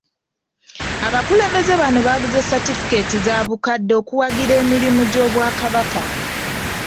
Abakulembeze bano baguze Satifikeeti za bukadde okuwagira emirimu gy'Obwakabaka.